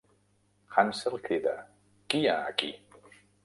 Hansel crida: "Qui hi ha aquí?"